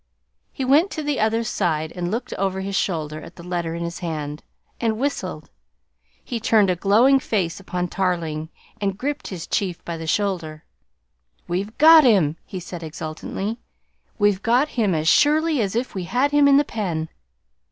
He went to the other's side and looked over his shoulder at the letter in his hand, and whistled. He turned a glowing face upon Tarling and gripped his chief by the shoulder. "We've got him!" he said exultantly. "We've got him as surely as if we had him in the pen!"